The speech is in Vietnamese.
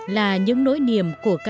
là những nỗi niềm của các người